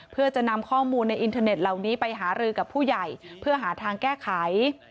เพื่อจะนำข้อมูลในอินเทอร์เน็ตเหล่านี้ไปหารือกับผู้ใหญ่เพื่อหาทางแก้ไข